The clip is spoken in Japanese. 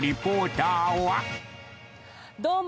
どうも！